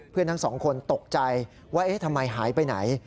เพื่อนทั้ง๒คนตกใจว่าทำไมหายไปไหน